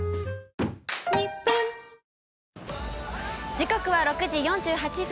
時刻は６時４８分。